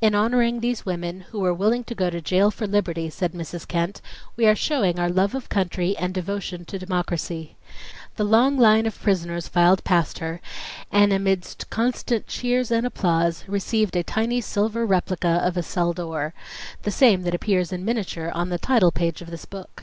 "In honoring these women, who were willing to go to jail for liberty," said Mrs. Kent, "we are showing our love of country and devotion to democracy." The long line of prisoners filed past her and amidst constant cheers and applause, received a tiny silver replica of a cell door, the same that appears in miniature on the title page of this book.